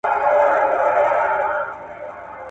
پایلې باید سره پرتله شي.